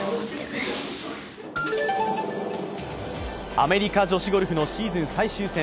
アメリカ女子ゴルフのシーズン最終戦。